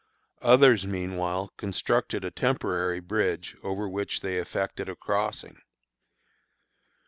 Others meanwhile constructed a temporary bridge over which they effected a crossing.